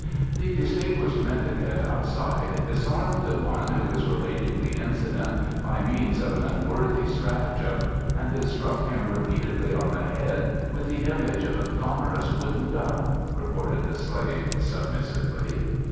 "The distinguished mendicant outside disarmed the one who is relating the incident by means of an unworthy stratagem, and then struck him repeatedly on the head with the image of a sonorous wooden duck," reported the slave submissively.